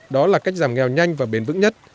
đó là cách giảm nghèo nhanh và bền vững nhất